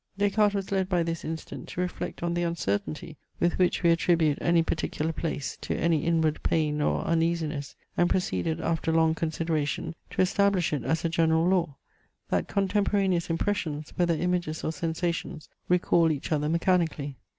Des Cartes was led by this incident to reflect on the uncertainty with which we attribute any particular place to any inward pain or uneasiness, and proceeded after long consideration to establish it as a general law: that contemporaneous impressions, whether images or sensations, recall each other mechanically.